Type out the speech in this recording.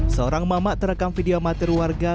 seorang mamak terekam video amatir warga